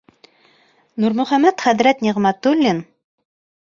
Нурмөхәмәт хәҙрәт Ниғмәтуллин: